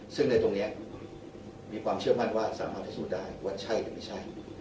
ซึ่งในตรงนี้มีความเชื่อมั่นว่าสามารถพิสูจน์ได้ว่าใช่หรือไม่ใช่